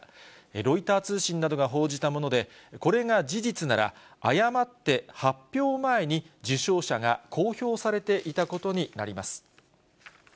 ロイター通信などが報じたもので、これが事実なら、誤って発表前に受賞者が公表されていたことになります。